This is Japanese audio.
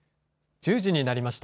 １０時になりました。